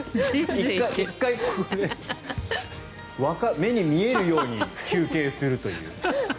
１回、目に見えるように休憩するという。